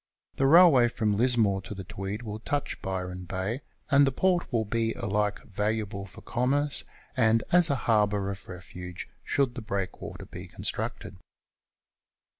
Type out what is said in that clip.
The railway from Lismore to the Tweed will touch Byron Bay, and the port will be alike valuable for commerce and as a harbour of refuge should the breakwater be confjtructed.